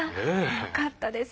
よかったです。